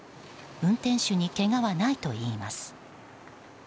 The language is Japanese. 運転手にけがはないといいます。